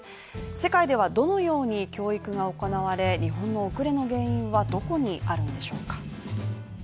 世界ではどのように教育が行われ、日本の遅れの原因はどこにあるんでしょうか？